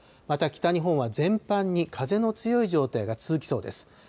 また北日本は全般に風の強い状態が続きそうです。